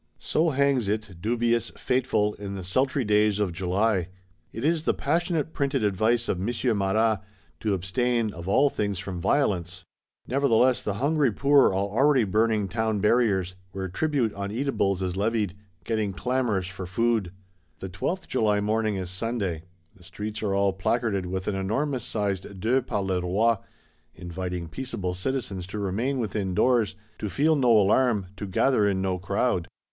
So hangs it, dubious, fateful, in the sultry days of July. It is the passionate printed advice of M. Marat, to abstain, of all things, from violence. Nevertheless the hungry poor are already burning Town Barriers, where Tribute on eatables is levied; getting clamorous for food. The twelfth July morning is Sunday; the streets are all placarded with an enormous sized De par le Roi, "inviting peaceable citizens to remain within doors," to feel no alarm, to gather in no crowd.